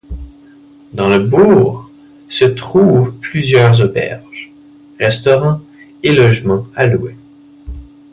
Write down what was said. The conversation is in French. Dans le bourg, se trouvent plusieurs auberges, restaurants et logement à louer.